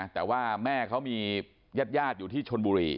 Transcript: แต่ว่าแม่เขามีญาติอยู่ที่ชนบุรี